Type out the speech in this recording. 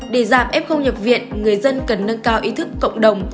để giảm f khâu nhập viện người dân cần nâng cao ý thức cộng đồng